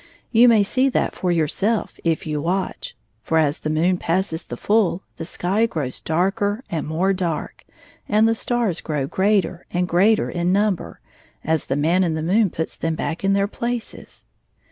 You may see that for yourself if you watch ; for as the moon passes the ftOl, the sky grows darker and more dark, and the stars grow greater, and greater in number, as the Man in the moon puts them back in their places.